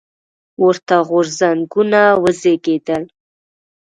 ورته غورځنګونه وزېږېدل.